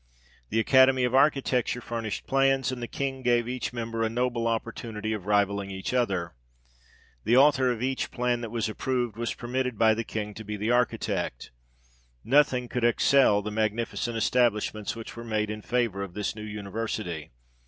The Academy of Architecture furnished plans, and the King gave each member a noble opportunity of rivalling each other. The author of each plan that was approved, was permitted by the King to be the architect. Nothing could excel the magnificent establishments which were made in favour of this new university.